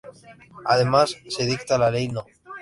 Además, se dicta la Ley No.